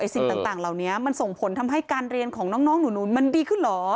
สิ่งต่างเหล่านี้มันส่งผลทำให้การเรียนของน้องหนูมันดีขึ้นเหรอ